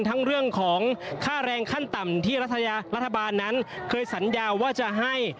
ทั้งเรื่องของค่าแรงขั้นต่ำที่รัฐบาลนั้นเคยสัญญาว่าจะให้